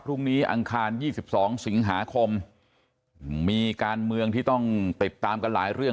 อังคาร๒๒สิงหาคมมีการเมืองที่ต้องติดตามกันหลายเรื่อง